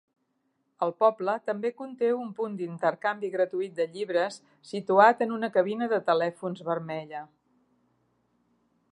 El poble també conté un punt d'intercanvi gratuït de llibres situat en una cabina de telèfons vermella.